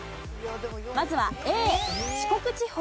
まずはＡ四国地方。